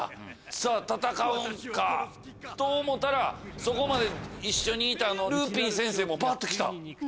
さぁ戦うんかと思たらそこまで一緒にいたルーピン先生もバッと来た。